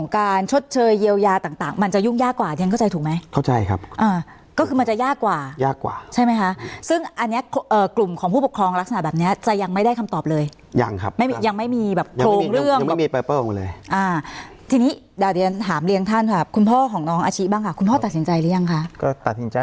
การชดเชยเยียวยาต่างมันจะยุ่งยากกว่าฉันเข้าใจถูกไหมเข้าใจครับอ่าก็คือมันจะยากกว่ายากกว่าใช่ไหมคะซึ่งอันนี้กลุ่มของผู้ปกครองลักษณะแบบเนี้ยจะยังไม่ได้คำตอบเลยยังครับไม่มียังไม่มีแบบโครงเรื่องยังไม่มีใบเปิ้ลมาเลยอ่าทีนี้เดี๋ยวเรียนถามเลี้ยงท่านค่ะคุณพ่อของน้องอาชิบ้างค่ะคุณพ่อตัดสินใจหรือยังคะก็ตัดสินใจ